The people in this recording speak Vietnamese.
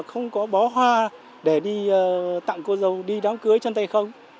không có bó hoa để đi tặng cô dâu đi đám cưới chân tay không